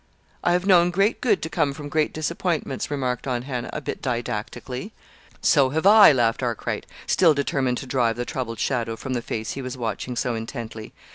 "I have known great good to come from great disappointments," remarked Aunt Hannah, a bit didactically. "So have I," laughed Arkwright, still determined to drive the troubled shadow from the face he was watching so intently.